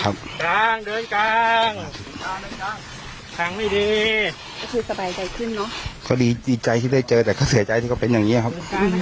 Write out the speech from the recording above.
มากขอดีใจที่ได้เจอแต่เขาเสียใจถึงเป็นแบบนี้นะครับ